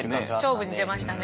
勝負に出ましたね